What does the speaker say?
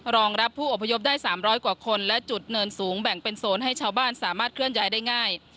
รองรับผู้อพยพได้๓๐๐กว่าคนและจุดเนินสูงแบ่งเป็นโซนให้ชาวบ้านสามารถเคลื่อนย้ายได้ง่าย